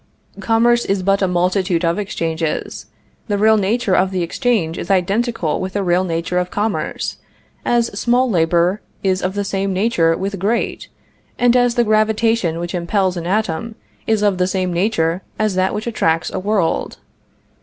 Commerce is but a multitude of exchanges; the real nature of the exchange is identical with the real nature of commerce, as small labor is of the same nature with great, and as the gravitation which impels an atom is of the same nature as that which attracts a world.